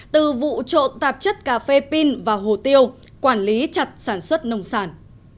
từ vụ trộn tạp chất cà phê pin vào hồ tiêu quản lý chặt sản xuất nông sản